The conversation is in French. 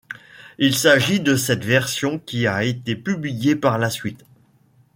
Il s'agit de cette version qui a été publiée par la suite.